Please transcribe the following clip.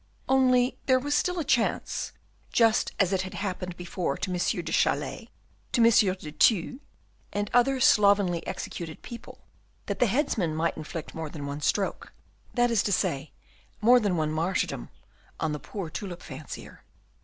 Only there was still a chance, just as it had happened before to M. de Chalais, to M. de Thou, and other slovenly executed people, that the headsman might inflict more than one stroke, that is to say, more than one martyrdom, on the poor tulip fancier.